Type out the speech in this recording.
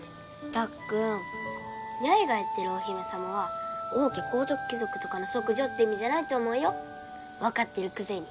たっくん八重が言ってるお姫様は王家皇族貴族とかの息女って意味じゃないと思うよわかってるくせに。